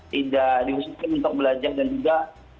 tidak dikhususkan untuk belajar dan juga